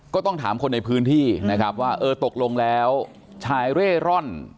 ก็ต้องถามคนในพื้นที่นะครับว่าเออตกลงแล้วชายเร่ร่อน